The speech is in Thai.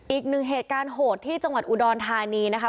อีกหนึ่งเหตุการณ์โหดที่จังหวัดอุดรธานีนะคะ